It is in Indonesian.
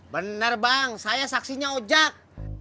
benar bang saya saksinya ojek